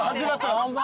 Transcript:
ホンマ？